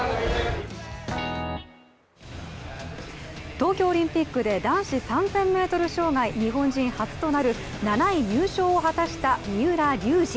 東京オリンピックで男子３０００ｍ障害日本人初となる７位入賞を果たした三浦龍司。